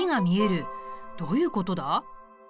どういうことだ？